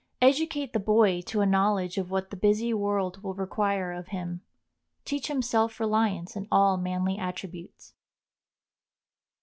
Educate the boy to a knowledge of what the busy world will require of him; teach him self reliance and all manly attributes.